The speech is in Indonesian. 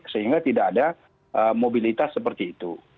sehingga tidak ada mobilitas seperti itu